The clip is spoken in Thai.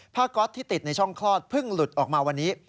ก๊อตที่ติดในช่องคลอดเพิ่งหลุดออกมาวันนี้